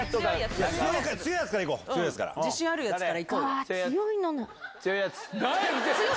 自信あるやつから行こうよ。